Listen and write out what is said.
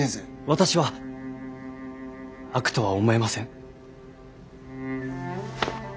私は悪とは思えません。